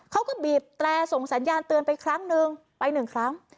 เขาก็บีบแตรส่งสัญญาณเตือนไปครั้งนึงไปหนึ่งครั้ง